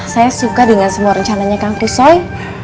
saya suka dengan semua rencananya kang frisoi